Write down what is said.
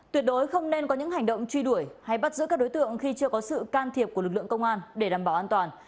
tuyệt đối không nên có những hành động truy đuổi hay bắt giữ các đối tượng khi chưa có sự can thiệp của lực lượng công an để đảm bảo an toàn